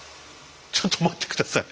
ちょっと待って下さい。